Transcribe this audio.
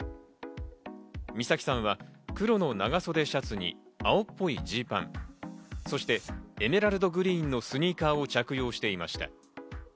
美咲さんは黒の長袖シャツに青っぽいジーパン、そしてエメラルドグリーンのスニーカーを着用していました。